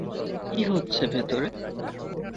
কি হচ্ছে ভিতরে?